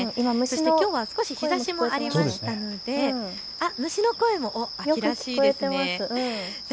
きょうは少し日ざしもありましたので虫の声も秋らしいですよね。